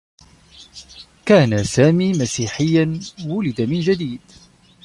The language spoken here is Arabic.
كان سامي مسيحيّا وُلد من جديد.